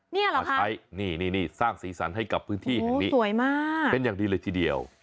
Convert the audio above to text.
นี่เหรอคะนี่สร้างสีสันให้กับพื้นที่แห่งนี้เป็นอย่างดีเลยทีเดียวโอ้โหสวยมาก